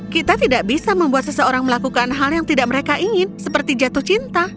kita tidak bisa membuat seseorang melakukan hal yang tidak mereka ingin seperti jatuh cinta